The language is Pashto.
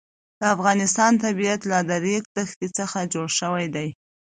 د افغانستان طبیعت له د ریګ دښتې څخه جوړ شوی دی.